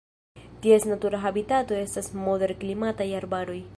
Ties natura habitato estas moderklimataj arbaroj.